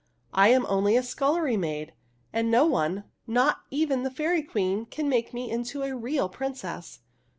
"I am only a scullery maid ; and no one, not even the Fairy Queen, can make me into a real princess."